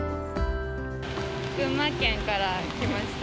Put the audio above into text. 群馬県から来ました。